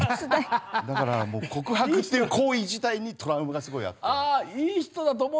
だから、告白っていう行為自体にトラウマがすごいあって。